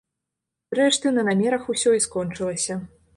Зрэшты, на намерах усё і скончылася.